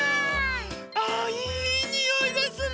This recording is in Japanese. あいいにおいですね！